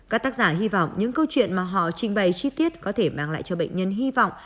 các tác giả hy vọng những câu chuyện mà họ trình bày chi tiết có thể mang lại cho bệnh nhân hy vọng